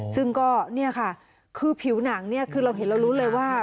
ซึ่งก็นี่ค่ะคือผิวหนังคือเราเห็นแล้วรู้เลยว่า